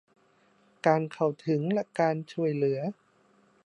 การเข้าถึงและการช่วยเหลือ